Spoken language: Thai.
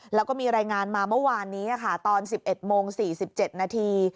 แล้วก็มีรายงานมาเมื่อวานนี้ค่ะตอน๑๑โมง๔๗นาที